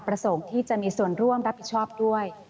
ประสงค์ที่จะมีส่วนร่วมรับผิดชอบด้วย